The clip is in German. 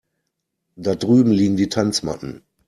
Da drüben liegen die Tanzmatten.